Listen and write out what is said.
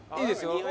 いいですよ。